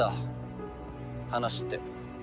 話って。